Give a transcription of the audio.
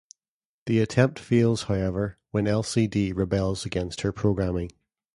The attempt fails, however, when Elsie-Dee rebels against her programming.